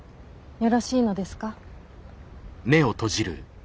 よろしいのですか？